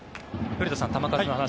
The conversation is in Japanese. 古田さん、球数の話